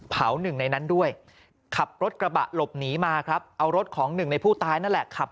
หนึ่งในนั้นด้วยขับรถกระบะหลบหนีมาครับเอารถของหนึ่งในผู้ตายนั่นแหละขับ